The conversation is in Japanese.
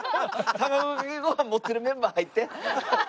卵かけご飯持ってるメンバー入って。